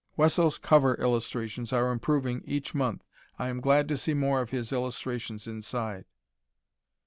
Wesso's cover illustrations are improving each month. I am glad to see more of his illustrations inside.